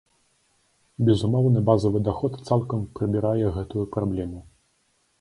Безумоўны базавы даход цалкам прыбірае гэтую праблему.